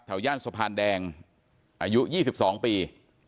ย่านสะพานแดงอายุ๒๒ปี